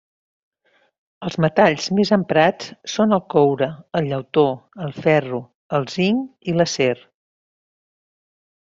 Els metalls més emprats són el coure, el llautó, el ferro, el zinc i l'acer.